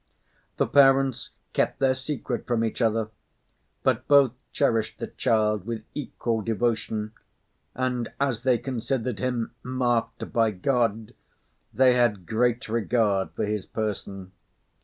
The parents kept their secret from each other. But both cherished the child with equal devotion, and as they considered him marked by God, they had great regard for his person.